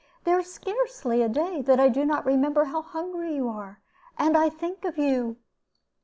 There is scarcely a day that I do not remember how hungry you are, and I think of you."